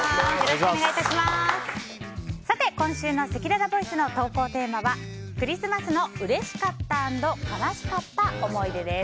今週のせきららボイスの投稿テーマはクリスマスのうれしかった＆悲しかった思い出です。